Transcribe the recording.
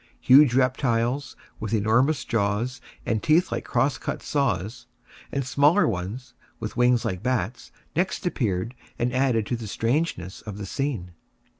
Huge reptiles, with enormous jaws and teeth like cross cut saws, and smaller ones with wings like bats, next appeared and added to the strangeness of the scene.